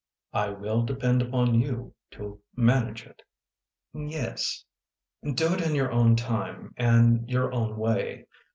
" I will depend upon you to manage it." " Yes." " Do it in your time, and your own way.